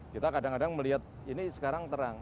kita kadang kadang melihat ini sekarang terang